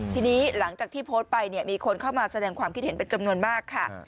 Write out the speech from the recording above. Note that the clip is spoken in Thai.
ทีนี้หลังจากที่โพสต์ไปเนี่ยมีคนเข้ามาแสดงความคิดเห็นเป็นจำนวนมากค่ะ